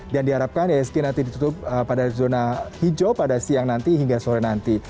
dan diharapkan isg nanti ditutup pada zona hijau pada siang nanti hingga sore nanti